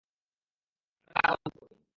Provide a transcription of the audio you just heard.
আপনারা আরাম করুন।